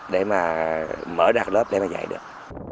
để mà mở đạt lớp để mà dạy được